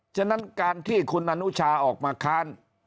ฉะนั้นการที่คุณอนุชาออกมาค้าน